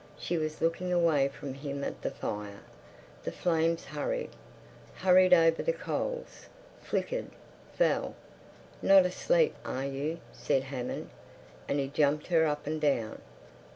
She was looking away from him at the fire. The flames hurried—hurried over the coals, flickered, fell. "Not asleep, are you?" said Hammond, and he jumped her up and down.